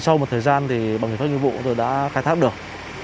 sau một thời gian thì bằng người phát nhiệm vụ tôi đã khai thác được